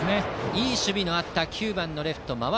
いい守備のあった９番レフト、馬渡。